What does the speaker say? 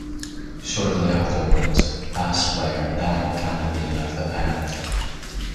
Shortly afterwards, bass player Dan Kennedy left the band.